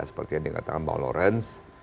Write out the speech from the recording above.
seperti yang dikatakan pak lorenz